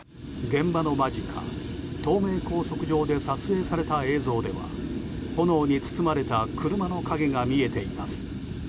現場の間近、東名高速上で撮影された映像では炎に包まれた車の影が見えています。